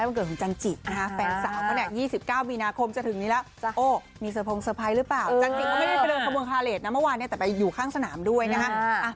เมื่อวานเนี่ยแต่ไปอยู่ข้างสนามด้วยนะฮะ